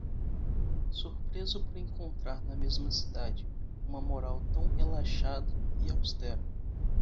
Surpreso por encontrar na mesma cidade uma moral tão relaxada e austera.